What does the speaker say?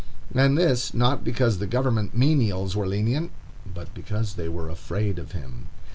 —and this, not because the government menials were lenient, but because they were afraid of him.